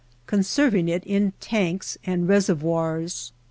conserving it in tanks and reservoirs.